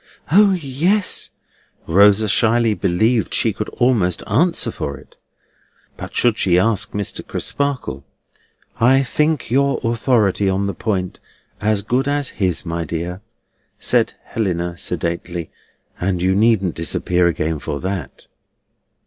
O yes, Rosa shyly believed she could almost answer for it. But should she ask Mr. Crisparkle? "I think your authority on the point as good as his, my dear," said Helena, sedately, "and you needn't disappear again for that."